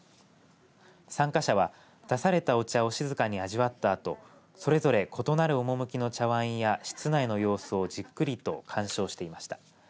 参加者は出されたお茶を静かに味わったあとそれぞれ異なる趣の茶わんや室内の様子をじっくりと鑑賞していました。